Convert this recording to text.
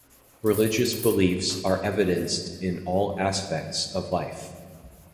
Religious beliefs are evidenced in all aspects of life.